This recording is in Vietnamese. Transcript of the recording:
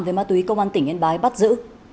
về ma túy công an tỉnh yên bái bắt giữ